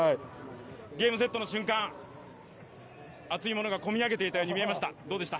ゲームセットの瞬間、熱いものが込み上げていたように見えました。